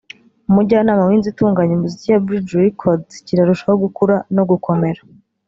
umujyanama w’inzu itunganya umuziki ya Bridge Records kirarushaho gukura no gukomera